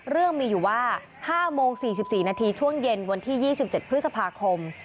เรื่องมีอยู่ว่า๕โมง๔๔นาทีช่วงเย็นวันที่๒๗พฤษภาคม